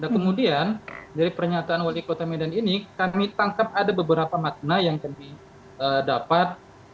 kemudian dari pernyataan wali kota medan ini kami tangkap ada beberapa makna yang kami dapat